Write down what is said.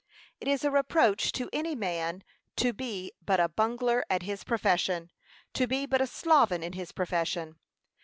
It is a reproach to any man to be but a bungler at his profession, to be but a sloven in his profession.